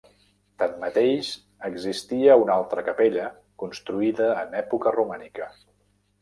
Tanmateix existia una altra capella construïda en època romànica.